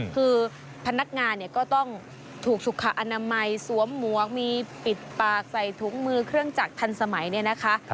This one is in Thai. คือพนักงานเนี่ยก็ต้องถูกสุขอนามัยสวมหมวกมีปิดปากใส่ถุงมือเครื่องจักรทันสมัยเนี่ยนะคะ